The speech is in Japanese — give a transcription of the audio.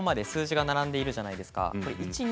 １から５まで数字が並んでいるじゃないですか。